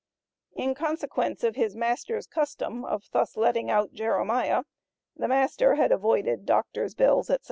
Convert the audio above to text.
In consequence of his master's custom of thus letting out Jeremiah, the master had avoided doctors' bills, &c.